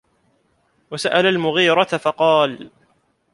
وَسَأَلَ الْمُغِيرَةَ فَقَالَ